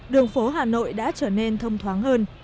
đường phố hà nội đã trở nên thông thoáng hơn